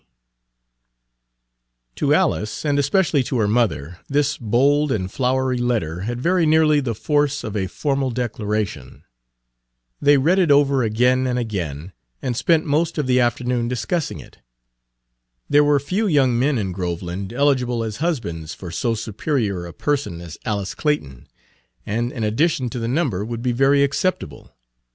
C. To Alice, and especially to her mother, this bold and flowery letter had very nearly the force of a formal declaration. They read it over again and again, and spent most of the afternoon discussing it. There were few young men in Groveland eligible as husbands for so superior a person as Alice Clayton, and an addition to the number would be very acceptable.